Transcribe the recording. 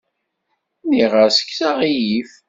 Nniɣ-as kkes aɣilif.